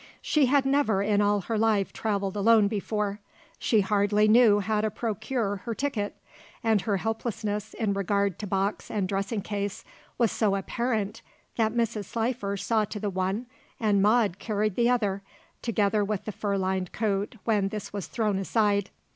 She had never in all her life travelled alone before. She hardly knew how to procure her ticket, and her helplessness in regard to box and dressing case was so apparent that Mrs. Slifer saw to the one and Maude carried the other, together with the fur lined coat when this was thrown aside.